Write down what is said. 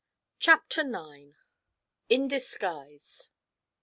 CHAPTER IX. IN DISGUISE.